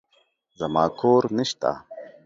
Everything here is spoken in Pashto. زما کور نشته.